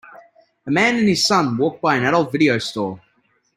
A man and his son walk by an adult video store.